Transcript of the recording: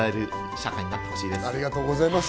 社会になってほしいです。